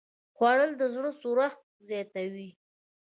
خوړل د زړه سړښت زیاتوي